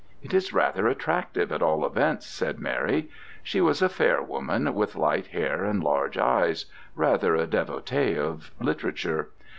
"It is rather attractive at all events," said Mary: she was a fair woman, with light hair and large eyes, rather a devotee of literature.